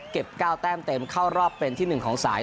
๙แต้มเต็มเข้ารอบเป็นที่๑ของสาย